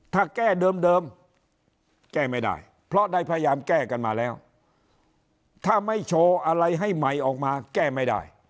ถ้าแก้เดิมแก้ไม่ได้เพราะได้พยายามแก้กันมาแล้วถ้าไม่โชว์อะไรให้ใหม่ออกมาแก้ไม่ได้